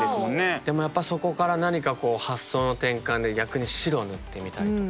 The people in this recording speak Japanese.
でもやっぱそこから何か発想の転換で逆に白を塗ってみたりとか。